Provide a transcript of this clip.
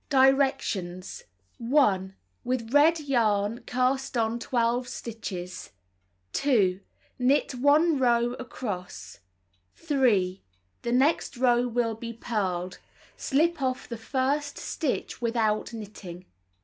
Directions : 1. With red yarn, cast on 12 stitches. 2. Knit 1 row across. 3. The next row will be purled. Slip off the first stitch without knitting.